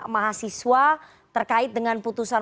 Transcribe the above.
mahasiswa terkait dengan putusan